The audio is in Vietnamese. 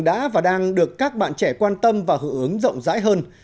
đã và đang được các bạn trẻ quan tâm và hữu ứng rộng rãi hơn